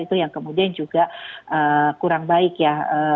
itu yang kemudian juga kurang baik ya